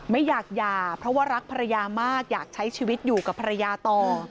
ไม่อยากหย่าเพราะว่ารักภรรยามากอยากใช้ชีวิตอยู่กับภรรยาต่อ